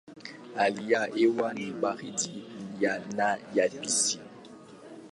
Hali ya hewa ni baridi na yabisi.